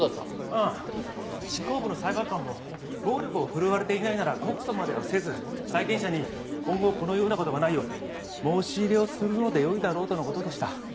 ああ執行部の裁判官も暴力を振るわれていないなら告訴まではせず債権者に今後このような事がないよう申し入れをするので良いだろうとの事でした。